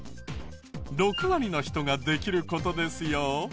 ６割の人ができる事ですよ。